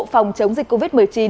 phòng chống dịch covid một mươi chín